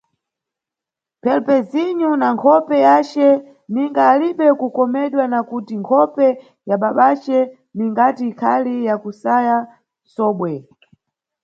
"Phelpesinho", na nkhope yace, ninga alibe kukomedwa, na kuti nkhope ya babace ningati ikhali ya kusaya nsobwe.